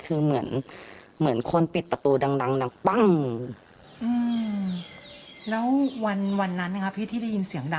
อืมเสียงแบบรุนแรงด้วยใช่ไหมมันมีเสียงปลั้ง